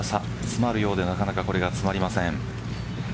詰まるようでなかなか詰まりません。